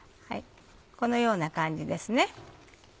このような感じですね。